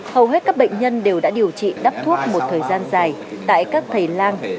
hầu hết các bệnh nhân đều đã điều trị đắp thuốc một thời gian dài tại các thầy lang